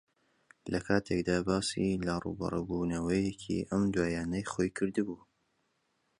لەکاتێکدا باسی لە ڕووبەڕووبوونەوەیەکی ئەم دواییانەی خۆی کردبوو